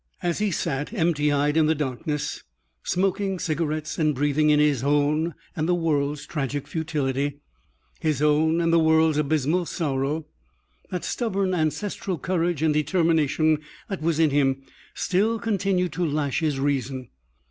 As he sat empty eyed in the darkness, smoking cigarettes and breathing in his own and the world's tragic futility, his own and the world's abysmal sorrow, that stubborn ancestral courage and determination that was in him still continued to lash his reason.